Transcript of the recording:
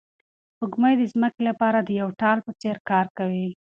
سپوږمۍ د ځمکې لپاره د یو ډال په څېر کار کوي.